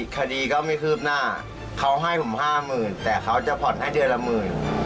คดีก็ไม่คืบหน้าเขาให้ผมห้าหมื่นแต่เขาจะผ่อนให้เดือนละหมื่น